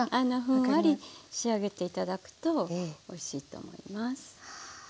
ふんわり仕上げて頂くとおいしいと思います。